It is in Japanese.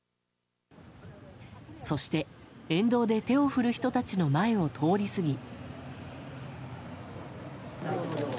そして沿道で手を振る人たちの前を通り過ぎ。